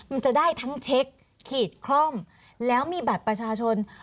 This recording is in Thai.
มันจะได้ทั้งเช็คขีดคล่อมแล้วมีบัตรประชาชน